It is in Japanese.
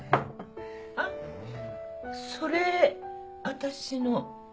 あっそれ私の